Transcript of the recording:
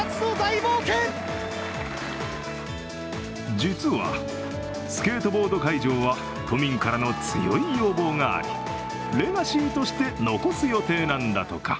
実はスケートボード会場は都民からの強い要望がありレガシーとして残す予定なんだとか。